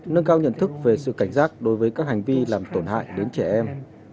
nâng cao nhận thức về sự cảnh giác đối với các hành vi làm tổn hại đến trẻ em